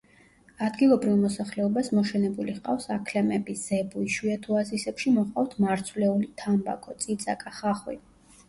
ადგილობრივ მოსახლეობას მოშენებული ჰყავს აქლემები, ზებუ, იშვიათ ოაზისებში მოჰყავთ მარცვლეული, თამბაქო, წიწაკა, ხახვი.